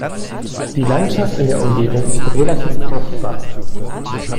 Die Landschaft in der Umgebung ist relativ fruchtbar.